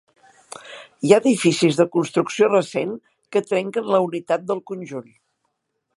Hi ha edificis de construcció recent que trenquen la unitat del conjunt.